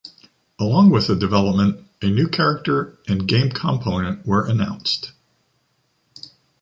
Along with the development, a new character and game component were announced.